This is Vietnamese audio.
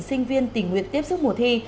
sinh viên tình nguyện tiếp xúc mùa thi